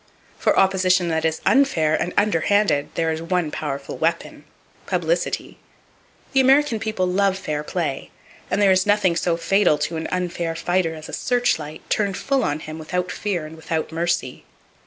For opposition that is unfair and under handed, there is one powerful weapon,—Publicity. The American people love fair play, and there is nothing so fatal to an unfair fighter as a searchlight, turned full on him without fear and without mercy.